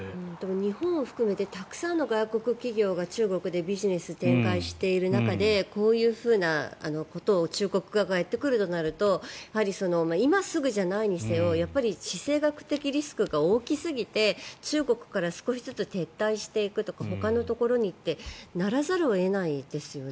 日本を含めてたくさんの外国企業が中国でビジネスを展開している中でこういうふうなことを中国側がやってくるとなるとやはり、今すぐじゃないにせよ地政学的リスクが大きすぎて中国から少しずつ撤退していくとかほかのところにってとならざるを得ないですよね。